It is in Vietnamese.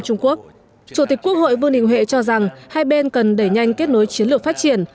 chủ tịch quốc hội vương đình huệ cho rằng hai bên cần đẩy nhanh kết nối chiến lược phát triển